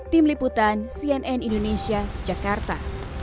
tim liputan cnn indonesia jakarta